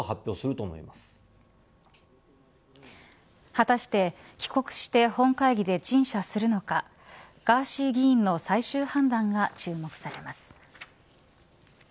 果たして帰国して本会議で陳謝するのか、ガーシー議員の最終判断が注目されます。